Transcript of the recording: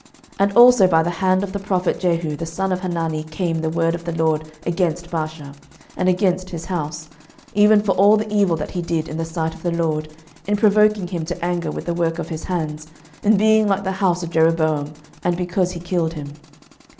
11:016:007 And also by the hand of the prophet Jehu the son of Hanani came the word of the LORD against Baasha, and against his house, even for all the evil that he did in the sight of the LORD, in provoking him to anger with the work of his hands, in being like the house of Jeroboam; and because he killed him.